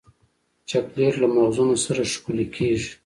چاکلېټ له مغزونو سره ښکلی کېږي.